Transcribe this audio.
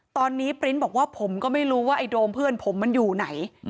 ตอนนี้ปริ้นต์บอกว่าผมก็ไม่รู้ว่าไอ้โดมเพื่อนผมมันอยู่ไหน